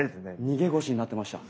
逃げ腰になってました。